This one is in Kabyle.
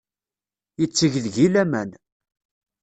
Yetteg deg-i laman.